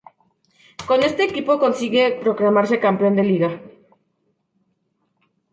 Con este equipo consigue proclamarse campeón de Liga.